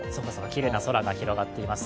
きれいな空が広がっています。